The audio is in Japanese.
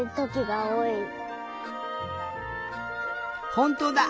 ほんとうだ！